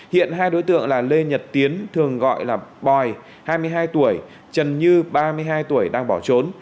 hiện hai đối tượng là lê nhật tiến thường gọi là bòi hai mươi hai tuổi trần như ba mươi hai tuổi đang bỏ trốn